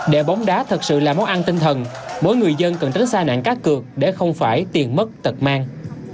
để bóng đá thật sự là món ăn tinh thần mỗi người dân cần tránh xa nạn cát cược để không phải tiền mất tật mang